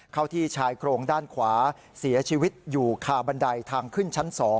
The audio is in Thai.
เข้าที่ชายโครงด้านขวาเสียชีวิตอยู่คาบันไดทางขึ้นชั้น๒